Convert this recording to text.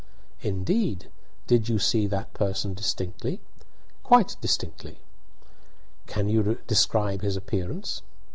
"Indeed! Did you see that person distinctly?" "Quite distinctly." "Can you describe his appearance?"